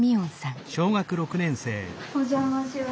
お邪魔します。